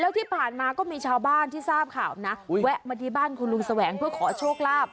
แล้วที่ผ่านมาก็มีชาวบ้านที่ทราบข่าวนะแวะมาที่บ้านคุณลุงแสวงเพื่อขอโชคลาภ